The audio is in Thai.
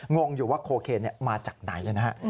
งงอยู่ว่าโคเคนมาจากไหนนะฮะ